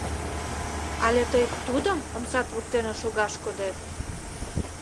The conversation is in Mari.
Але тый Тудым омсат воктене шогаш кодет?